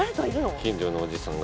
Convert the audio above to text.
近所のおじさんが。